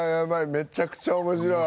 めちゃくちゃ面白い。